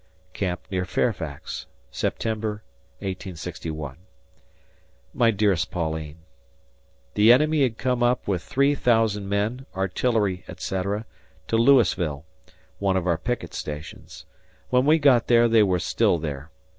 Camp near Fairfax, September , 1861. My dearest Pauline: ... The Enemy had come up with three thousand men, artillery, etc. to Lewisville, one of our picket stations; when we got there they were still there.